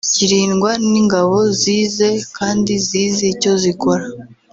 kirindwa n’ingabo zize kandi zizi icyo zikora